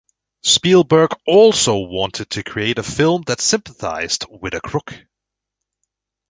Spielberg also wanted to create a film that sympathized with a crook.